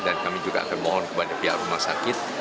dan kami juga akan mohon kepada pihak rumah sakit